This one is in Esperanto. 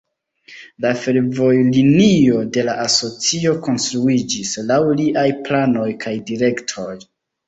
La fervojlinio de la asocio konstruiĝis laŭ liaj planoj kaj direktoj.